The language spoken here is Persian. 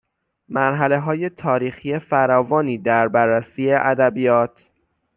مرحلههای تاریخی فراوانی در بررسی ادبیات